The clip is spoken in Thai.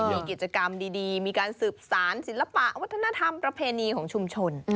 มีกิจกรรมดีมีการสืบสารศิลปะวัฒนธรรมประเพณีของชุมชน